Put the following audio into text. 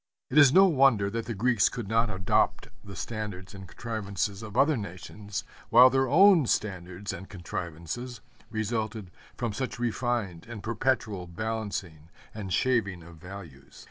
It is no wonder that the Greeks could not adopt the standards and contrivances of other nations, while their own standards and contrivances resulted from such refined and perpetual balancing and shaving of values.